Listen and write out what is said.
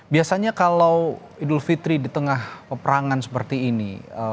biasanya kalau idul fitri di tengah peperangan seperti ini